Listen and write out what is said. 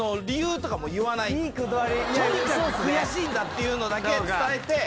とにかく悔しいんだっていうのだけ伝えて。